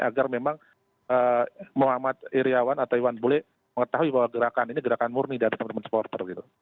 agar memang muhammad iryawan atau iwan bule mengetahui bahwa gerakan ini gerakan murni dari teman teman supporter gitu